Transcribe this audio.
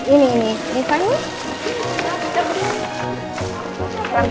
ini nih di depan nih